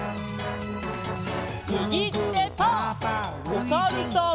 おさるさん。